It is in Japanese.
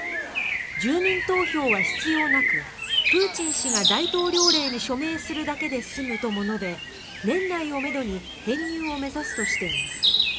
住民投票は必要なくプーチン氏が大統領令に署名するだけで済むとも述べ年内をめどに編入を目指すとしています。